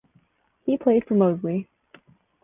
He played for Moseley.